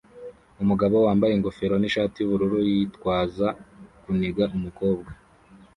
Umugabo wambaye ingofero nishati yubururu yitwaza kuniga umukobwa